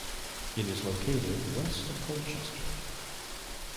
It is located west of Colchester.